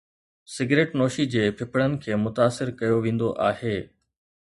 cigarette نوشي جي ڦڦڙن کي متاثر ڪيو ويندو آهي